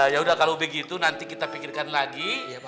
yaudah kalau begitu nanti kita pikirkan lagi